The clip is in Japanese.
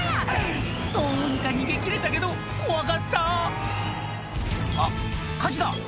「どうにか逃げ切れたけど怖かった」あっ火事だ！